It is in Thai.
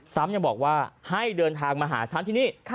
ซ้ำยังบอกว่าให้เดินทางมาหาฉันที่นี่